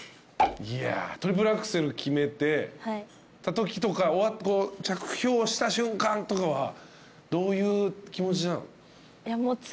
トリプルアクセル決めたときとか着氷した瞬間とかはどういう気持ちなの？